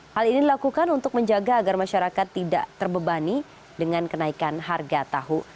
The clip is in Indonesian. hal ini dilakukan untuk menjaga agar masyarakat tidak terbebani dengan kenaikan harga tahu